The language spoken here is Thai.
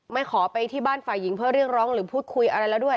ขอไปที่บ้านฝ่ายหญิงเพื่อเรียกร้องหรือพูดคุยอะไรแล้วด้วย